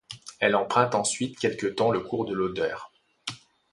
Elle emprunte ensuite quelque temps le cours de l'Oder.